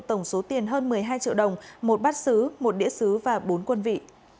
tổng số tiền hơn một mươi hai triệu đồng một bát xứ một đĩa xứ và bốn quân vị